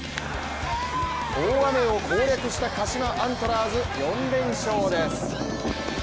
大雨を攻略した鹿島アントラーズ４連勝です。